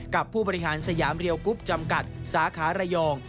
ผู้บริหารสยามเรียวกรุ๊ปจำกัดสาขาระยอง